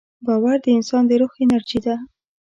باور د انسان د روح انرژي ده.